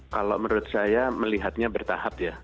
kalau menurut saya melihatnya bertahap ya